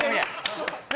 ・何？